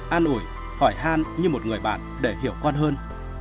an ủi hỏi han như một người bạn để hiểu quan hơn